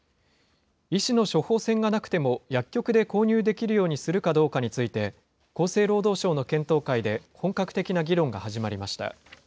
医師の処方箋がなくても薬局で購入できるようにするかどうかについて、厚生労働省の検討会で、本格的な議論が始まりました。